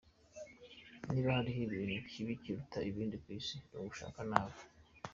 Niba hariho ikintu kibi kiruta ibindi ku isi ni ugushaka nabi.